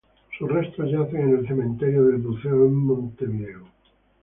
Sus restos yacen en el Cementerio del Buceo, en Montevideo.